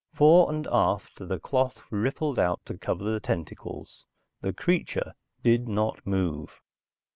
Fore and aft, the cloth rippled out to cover the tentacles. The creature did not move.